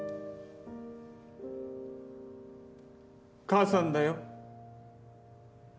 母さんだよ。